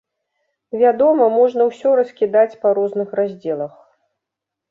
Вядома, можна ўсё раскідаць па розных раздзелах.